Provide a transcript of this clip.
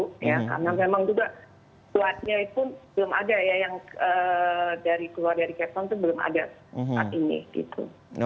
karena memang juga buatnya itu belum ada ya yang keluar dari kepton itu belum ada saat ini